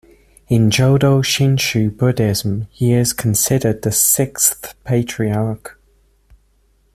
In Jodo Shinshu Buddhism, he is considered the Sixth Patriarch.